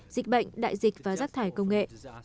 dịch bệnh đại dịch và rác thải công nghệ